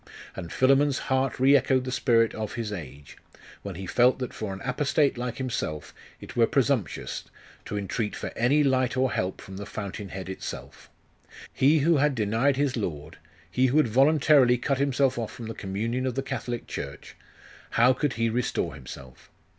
And Philammon's heart re echoed the spirit of his age, when he felt that for an apostate like himself it were presumptuous to entreat for any light or help from the fountain head itself. He who had denied his Lord, he who had voluntarily cut himself off from the communion of the Catholic Church how could he restore himself?